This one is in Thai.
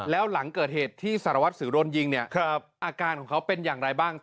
แล้วหลังเกิดเหตุที่สารวัสสิวโดนยิงเนี่ยอาการของเขาเป็นอย่างไรบ้าง